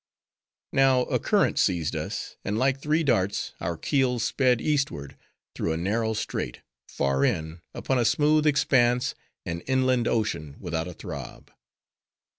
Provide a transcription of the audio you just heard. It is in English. Now, a current seized us, and like three darts, our keels sped eastward, through a narrow strait, far in, upon a smooth expanse, an inland ocean, without a throb.